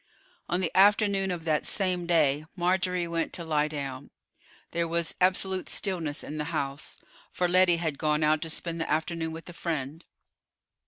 On the afternoon of that same day Marjorie went to lie down. There was absolute stillness in the house, for Lettie had gone out to spend the afternoon with a friend.